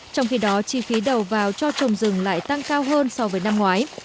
trong khi đó chi phí đầu vào cho trồng rừng lại tăng cao hơn so với năm ngoái